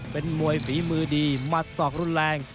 เป็นมวยฝีมือดีหมัดศอกรุนแรง